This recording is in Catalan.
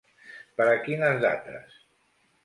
Per a quines dates?